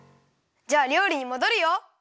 じゃありょうりにもどるよ！